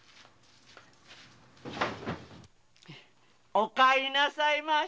お帰りなさいまし。